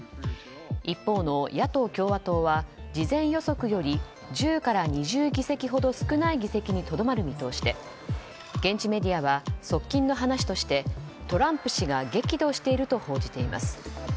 一方の野党・共和党は事前予測より１０から２０議席ほど少ない議席にとどまる見通しで現地メディアは、側近の話としてトランプ氏が激怒していると報じています。